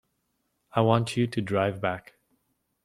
I want you to drive back.